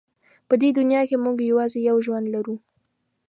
په دې دنیا کې موږ یوازې یو ژوند لرو.